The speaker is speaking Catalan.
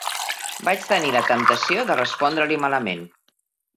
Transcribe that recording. Vaig tenir la temptació de respondre-li malament.